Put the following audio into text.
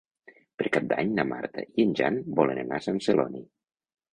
Per Cap d'Any na Marta i en Jan volen anar a Sant Celoni.